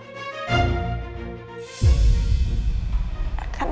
pertama kali aku berubah